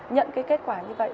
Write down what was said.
nhận cái kết quả như vậy